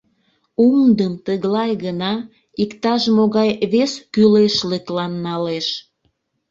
Умдым тыглай гына, иктаж-могай вес кӱлешлыклан налеш.